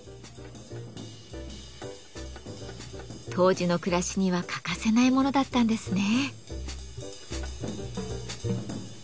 当時の暮らしには欠かせないものだったんですね。